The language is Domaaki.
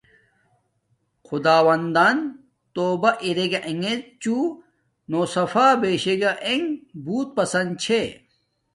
خداوندن توبہ اریݣ انݣ چوں نو صفا بیشݣ انگ بوت پسند چھے